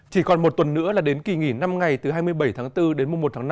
chỉ còn một tuần nữa là đến kỳ nghỉ năm ngày từ hai mươi bảy tháng bốn đến mùa một tháng năm